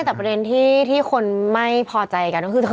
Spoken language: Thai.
แต่ประเด็นที่คนไม่พอใจกันก็คือ